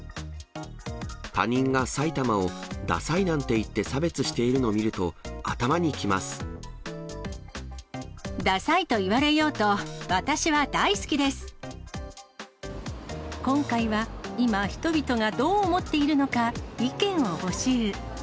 他人が埼玉をダサいなんて言って差別しているのを見ると頭にダサいといわれようと、今回は今、人々がどう思っているのか、意見を募集。